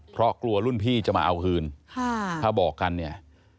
เพราะกลัวรุ่นพี่จะมาเอาคืนค่ะถ้าบอกกันเนี่ย